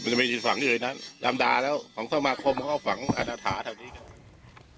มันจะไม่มีฝั่งที่อื่นนะลำดาแล้วของสมาคมเขาก็ฝั่งอาณาถาแถวนี้